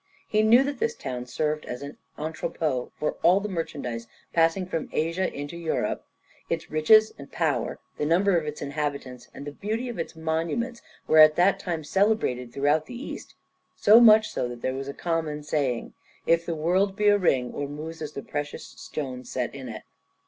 He knew that this town served as an entrepôt for all the merchandise passing from Asia into Europe. Its riches and power, the number of its inhabitants and the beauty of its monuments were at that time celebrated throughout the East, so much so that there was a common saying, "If the world be a ring, Ormuz is the precious stone set in it."